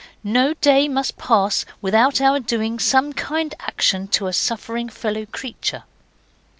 No day must pass without our doing some kind action to a suffering fellow creature.